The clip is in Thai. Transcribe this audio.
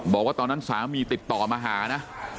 บอกว่าตอนนั้นสามีติดต่อมาหานะ